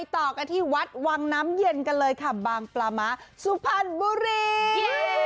ต่อกันที่วัดวังน้ำเย็นกันเลยค่ะบางปลาม้าสุพรรณบุรี